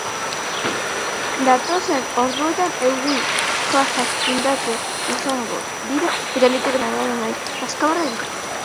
Datozen orduetan euri-jasak indartsuak izango dira eta litekeena da nonahi kazkabarra egitea.